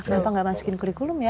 kenapa nggak masukin kurikulum ya